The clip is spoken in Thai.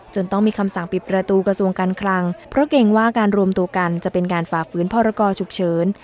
ต้องมีคำสั่งปิดประตูกระทรวงการคลังเพราะเกรงว่าการรวมตัวกันจะเป็นการฝ่าฝืนพรกรฉุกเฉิน